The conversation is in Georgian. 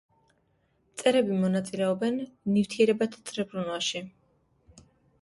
მწერები მონაწილეობენ ნივთიერებათა წრებრუნვაში.